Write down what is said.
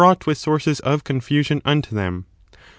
ught with sources of coufusion unto them.